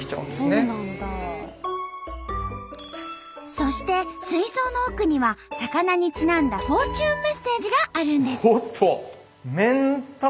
そして水槽の奥には魚にちなんだフォーチュンメッセージがあるんです。